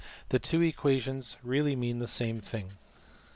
The two equations really mean the same thing.